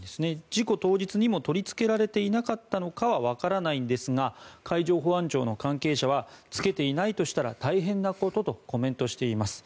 事故の当日にも取りつけられていなかったのかはわからないんですが海上保安庁の関係者はつけていないとしたら大変なこととコメントしています。